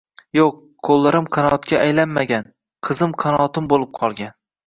Yo`q, qo`llarim qanotga aylanmagan, qizim qanotim bo`lib qolgan